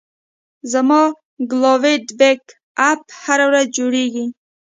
زما کلاوډ بیک اپ هره ورځ جوړېږي.